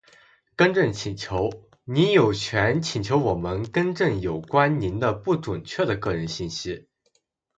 更正请求。您有权请求我们更正有关您的不准确的个人信息。